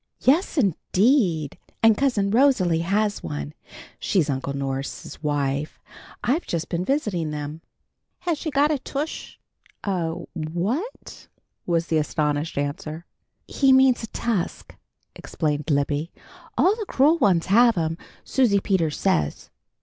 "Yes, indeed! And Cousin Rosalie has one. She's Uncle Norse's wife. I've just been visiting them." "Has she got a tush?" "A what?" was the astonished answer. "He means tusk," explained Libby. "All the cruel ones have'm, Susie Peters says."